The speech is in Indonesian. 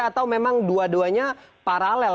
atau memang dua duanya paralel